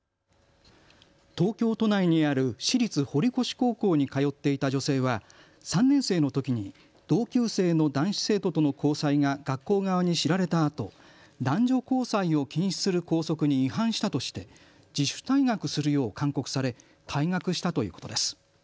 東京都内にある私立堀越高校に通っていた女性は３年生のときに同級生の男子生徒との交際が学校側に知られたあと男女交際を禁止する校則に違反したとして自主退学するよう勧告され退学したということです。